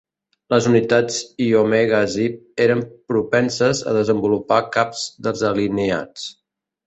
Les unitats Iomega Zip eren propenses a desenvolupar caps desalineats.